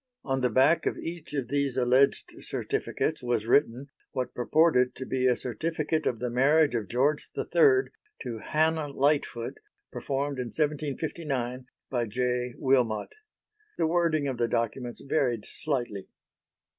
On the back of each of these alleged certificates was written what purported to be a certificate of the marriage of George III to Hannah Lightfoot performed in 1759 by J. Wilmot. The wording of the documents varied slightly.